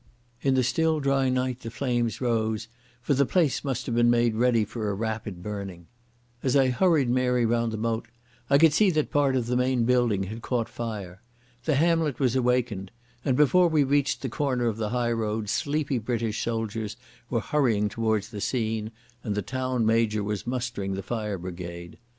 In the still dry night the flames rose, for the place must have been made ready for a rapid burning. As I hurried Mary round the moat I could see that part of the main building had caught fire. The hamlet was awakened, and before we reached the corner of the highroad sleepy British soldiers were hurrying towards the scene, and the Town Major was mustering the fire brigade.